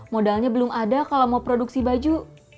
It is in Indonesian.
modalnya belum ada kalau mau produksi baju